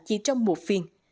chỉ trong một phiên